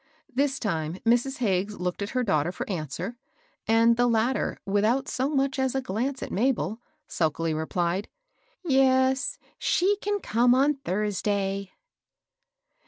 This time Mrs. Hagges looked at her daughter for answer ; and the latter, without so much as a .glance at Mabel, sulkily replied, —" Yes, she can come on Thursday."